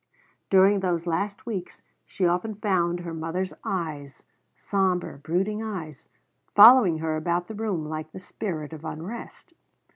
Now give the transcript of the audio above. During those last weeks she often found her mother's eyes sombre, brooding eyes following her about the room like the spirit of unrest.